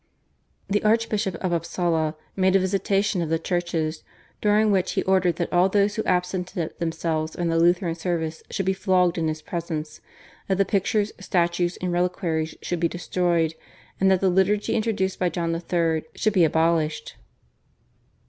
The Archbishop of Upsala made a visitation of the churches, during which he ordered that all those who absented themselves from the Lutheran service should be flogged in his presence, that the pictures, statues, and reliquaries should be destroyed, and that the liturgy introduced by John III. should be abolished.